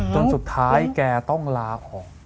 จนสุดท้ายแกต้องลาออก